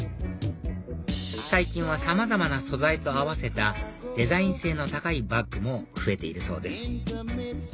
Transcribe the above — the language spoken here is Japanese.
最近はさまざまな素材と合わせたデザイン性の高いバッグも増えているそうです